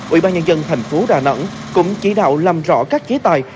ủy ban nhân dân thành phố đà nẵng cũng chỉ đạo làm rõ các chế tài